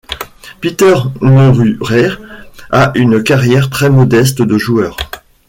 Peter Neururer a une carrière très modeste de joueur.